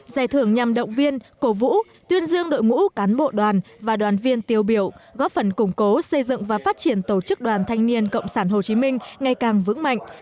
giải thưởng nhằm động viên cổ vũ tuyên dương đội ngũ cán bộ đoàn và đoàn viên tiêu biểu góp phần củng cố xây dựng và phát triển tổ chức đoàn thanh niên cộng sản hồ chí minh ngày càng vững mạnh